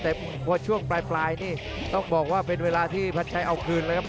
แต่พอช่วงปลายนี่ต้องบอกว่าเป็นเวลาที่พัดชัยเอาคืนเลยครับ